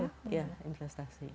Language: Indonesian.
betul ya investasi